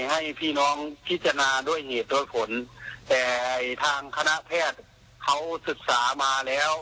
ให้พี่น้องพิจารณาด้วยเหตุด้วยผลแต่ทางคณะแพทย์เขาศึกษามาแล้ว